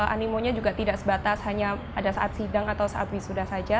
animonya juga tidak sebatas hanya pada saat sidang atau saat wisuda saja